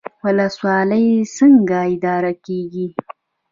ولسوالۍ څنګه اداره کیږي؟